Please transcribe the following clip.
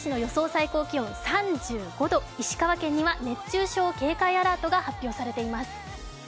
最高気温、３４度石川県には熱中症警戒アラートが発表されています。